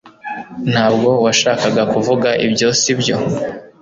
Ntabwo washakaga kuvuga ibyo sibyo